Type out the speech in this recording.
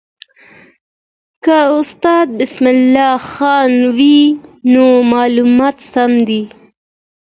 که استاد بسم الله خان وایي، نو معلومات سم دي.